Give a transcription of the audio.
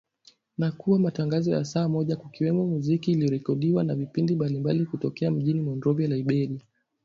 na kuwa matangazo ya saa moja kukiwemo muziki uliorekodiwa na vipindi mbalimbali kutokea mjini Monrovia Liberia